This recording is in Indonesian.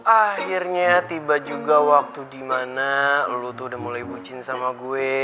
akhirnya tiba juga waktu dimana lo tuh udah mulai bucin sama gue